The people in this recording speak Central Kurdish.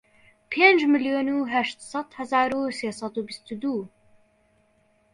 پێنج ملیۆن و هەشت سەد هەزار و سێ سەد و بیست و دوو